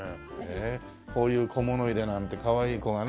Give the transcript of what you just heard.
こういう小物入れなんてかわいい子がね。